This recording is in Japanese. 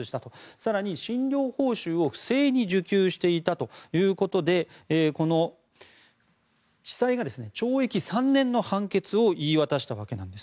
更に診療報酬を不正に受給していたということで地裁が懲役３年の判決を言い渡したわけです。